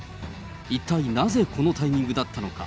一体なぜこのタイミングだったのか。